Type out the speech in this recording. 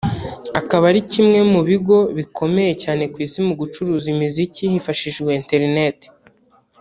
akaba ari kimwe mubigo bikomeye cyane ku isi mu gucuruza imiziki hifashishijwe internet